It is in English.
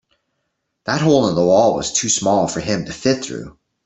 That hole in the wall was too small for him to fit through.